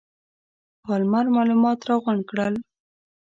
پالمر معلومات راغونډ کړل.